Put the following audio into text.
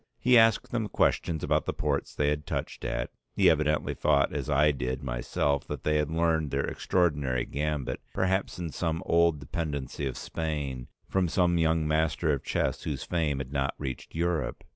He asked them questions about the ports they had touched at. He evidently thought as I did myself that they had learned their extraordinary gambit, perhaps in some old dependancy of Spain, from some young master of chess whose fame had not reached Europe.